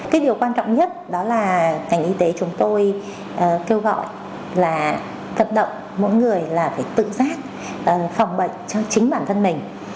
cái điều quan trọng nhất đó là ngành y tế chúng tôi kêu gọi là vận động mỗi người là phải tự giác phòng bệnh cho chính bản thân mình